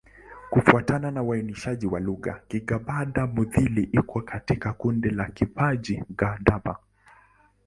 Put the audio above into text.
Kufuatana na uainishaji wa lugha, Kigadaba-Mudhili iko katika kundi la Kiparji-Gadaba.